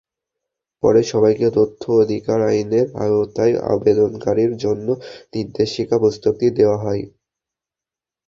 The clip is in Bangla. পরে সবাইকে তথ্য অধিকার আইনের আওতায় আবেদনকারীদের জন্য নির্দেশিকা-পুস্তিকাটি দেওয়া হয়।